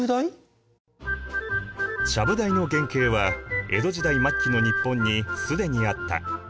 ちゃぶ台の原型は江戸時代末期の日本に既にあった。